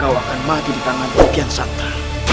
kau akan mati di tangan ikyanshata